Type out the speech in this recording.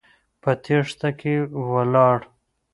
په تېښته کې ولاړ.